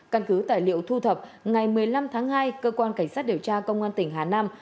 căn cứ tài liệu thu thập ngày một mươi năm tháng hai cơ quan cảnh sát điều tra công an tỉnh hà nam